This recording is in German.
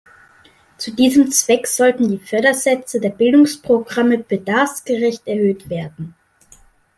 Zu diesem Zweck sollten die Fördersätze der Bildungsprogramme bedarfsgerecht erhöht werden.